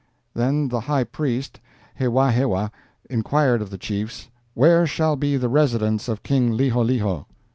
"Then the high priest, Hewahewa, inquired of the chiefs, 'Where shall be the residence of King Liholiho?'